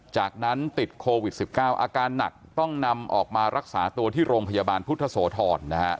จากนั้นติดโควิด๑๙อาการหนักต้องนำออกมารักษาตัวที่โรงพยาบาลพุทธโสธร